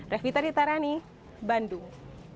revita ditarani bandung